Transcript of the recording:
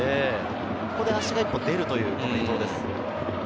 ここで足が一歩出るという伊東です。